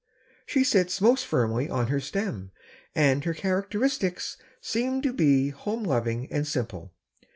She sits most firmly on her stem, and her characteristics seem to be home loving and simple.